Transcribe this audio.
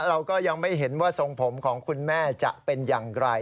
เราก็ยังไม่เห็นว่าทรงผมของคุณแม่จะเป็นอย่างไร